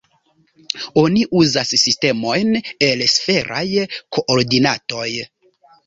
Oni uzas sistemojn el sferaj koordinatoj.